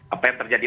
apa yang terjadi